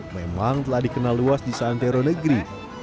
memang telah dikenal luas di santero negeri